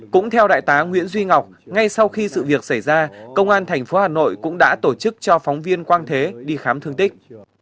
cũng theo đại tá nguyễn duy ngọc ngay sau khi sự việc xảy ra công an tp hà nội cũng đã tổ chức cho phóng viên quang thế đi khám thương tích